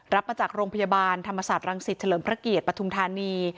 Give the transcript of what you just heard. รับมาจากโรงพยาบาลธรรมศาสตร์รังสิตเฉลิมพระเกียรติปฐุมธานี